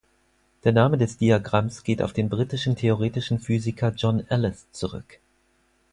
Der Name des Diagramms geht auf den britischen theoretischen Physiker John Ellis zurück.